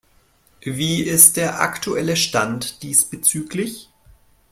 Wie ist der aktuelle Stand diesbezüglich?